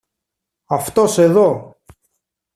Αυτός, εδώ!